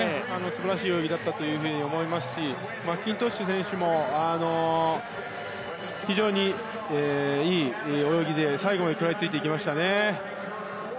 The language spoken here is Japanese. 素晴らしい泳ぎだったと思いますしマッキントッシュ選手も非常にいい泳ぎで最後まで食らいついていきましたね。